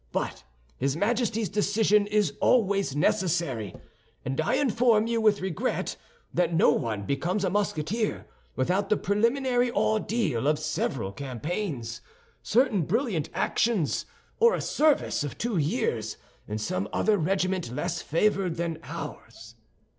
But his majesty's decision is always necessary; and I inform you with regret that no one becomes a Musketeer without the preliminary ordeal of several campaigns, certain brilliant actions, or a service of two years in some other regiment less favored than ours."